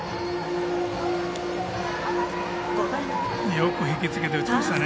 よく引き付けて打ちましたね。